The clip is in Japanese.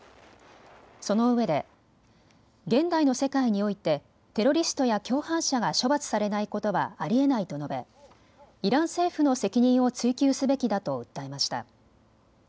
そのうえで現代の世界においてテロリストや共犯者が処罰されないことはありえないと述べイラン政府の責任を追及すべきだと訴えました。